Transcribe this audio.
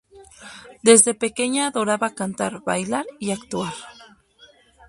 Desde pequeña adoraba cantar, bailar y actuar.